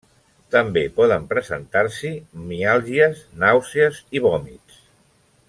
També poden presentar-s'hi miàlgies, nàusees i vòmits.